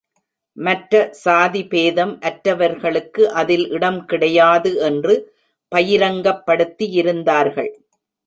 மற்ற சாதி பேதம் அற்றவர்களுக்கு அதில் இடம் கிடையாது என்று பயிரங்கப்படுத்தியிருந்தார்கள்.